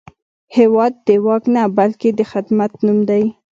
هېواد د واک نه، بلکې د خدمت نوم دی.